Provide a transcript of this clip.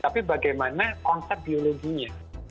tapi bagaimana konsep biologinya